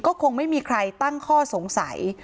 ก็คงไม่มีใครตั้งข้อสงสัย